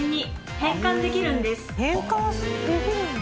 変換できるんだ。